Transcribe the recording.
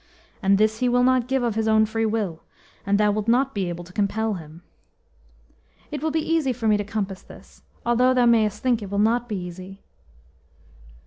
And this he will not give of his own free will, and thou wilt not be able to compel him." "It will be easy for me to compass this, although thou mayest think it will not be easy."